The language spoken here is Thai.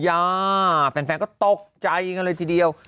แฟนก็ตกใจกันเลยทีเดียว